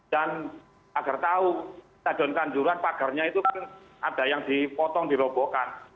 dan agar tahu tadion kanjuruan pagarnya itu ada yang dipotong dirobokan